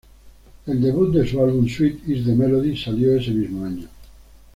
El debut de su álbum "Sweet is the Melody" salió ese mismo año.